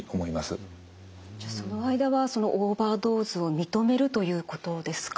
じゃその間はオーバードーズを認めるということですか。